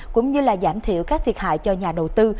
cũng như là giảm thiểu các thiệt hại cho nhà đầu tư